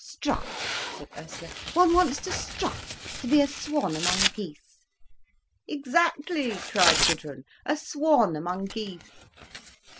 "Strut," said Ursula. "One wants to strut, to be a swan among geese." "Exactly," cried Gudrun, "a swan among geese."